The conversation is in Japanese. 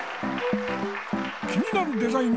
気になるデザイン